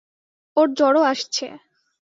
ওর জ্বরও আসছে।